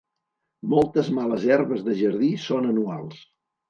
Moltes males herbes de jardí són anuals.